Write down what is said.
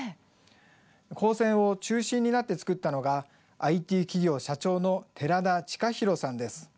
高専を中心になって作ったのがＩＴ企業社長の寺田親弘さんです。